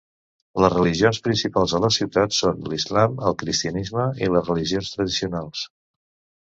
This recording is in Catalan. Les religions principals a la ciutat són l'islam, el cristianisme i les religions tradicionals.